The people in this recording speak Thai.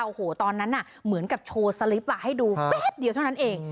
โอ้โหตอนนั้นเหมือนกับโชว์สลิปให้ดูแป๊บเดียวเท่านั้นเอง